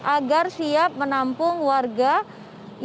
agar siap menampung warga yang memang disiagakan